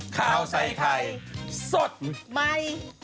ข่าวใส่ไข่สดใหม่